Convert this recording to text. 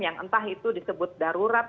yang entah itu disebut darurat